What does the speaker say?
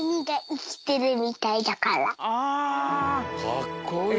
かっこいい！